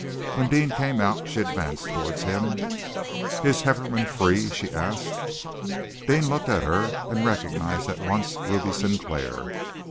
When Deane came out she advanced towards him. "Is Hefferom free?" she asked. Deane looked at her, and recognized at once Ruby Sinclair.